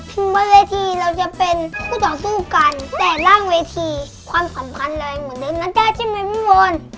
ถึงว่าเวทีเราจะเป็นคู่ต่อสู้กันแต่ร่างเวทีความสำคัญเลยเหมือนเดิมนั้นได้ใช่มั้ยพี่โวน